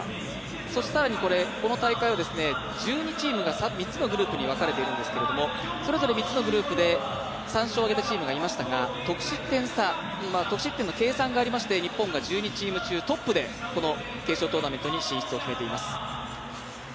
そして、更にこの大会は１２チームが３つのグループに分かれているんですけども、それぞれ３つのグループで３勝を挙げたチームがありましたが得失点差がありまして、日本が１２チーム中トップで、決勝トーナメントに進出を決めています。